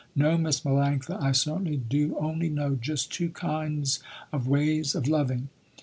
No Miss Melanctha I certainly do only know just two kinds of ways of loving.